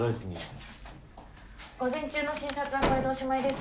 午前中の診察はこれでおしまいです。